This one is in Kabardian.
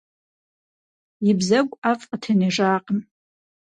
И бзэгу ӀэфӀ къытенэжакъым.